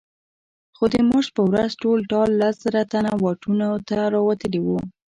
خو د مارش په ورځ ټول ټال لس زره تنه واټونو ته راوتلي وو.